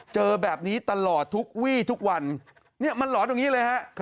เจอแบบนี้ตลอดทุกวี่ทุกวันมันหลอนตรงนี้เลยฮะ